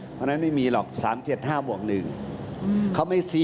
เพราะฉะนั้นไม่มีหรอก๓๗๕บวก๑